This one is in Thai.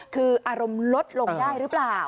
คืออารมณ์ลดลงได้หรือเปล่า